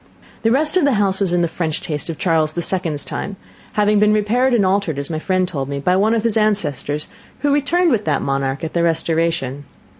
The rest of the house was in the French taste of Charles the Second's time, having been repaired and altered, as my friend told me, by one of his ancestors, who returned with that monarch at the Restoration.